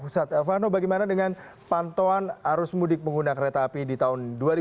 silvano bagaimana dengan pantauan arus mudik pengguna kereta api di tahun dua ribu enam belas